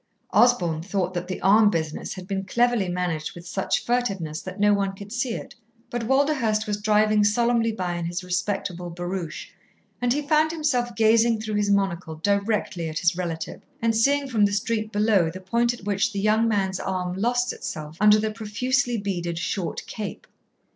Osborn thought that the arm business had been cleverly managed with such furtiveness that no one could see it, but Walderhurst was driving solemnly by in his respectable barouche, and he found himself gazing through his monocle directly at his relative, and seeing, from the street below, the point at which the young man's arm lost itself under the profusely beaded short cape.